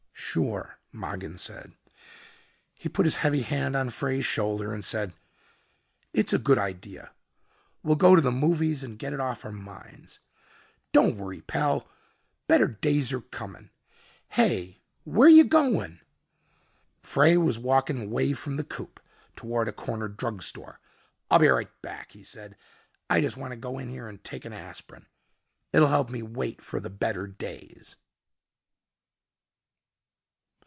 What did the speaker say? "Sure," Mogin said. He put his heavy hand on Frey's shoulder and said, "It's a good idea. We'll go to the movies and get it off our minds. Don't worry, pal. Better days are coming. Hey where you goin'?" Frey was walking away from the coupe, toward a corner drug store. "I'll be right back," he said. "I just want to go in here and take an aspirin. It'll help me wait for the better days."